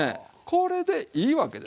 これでいいわけですよ。